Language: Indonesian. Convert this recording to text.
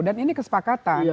dan ini kesepakatan